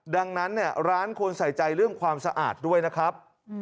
ดังนั้นร้านควรใส่ใจเรื่องความสะอาดด้วยนะครับ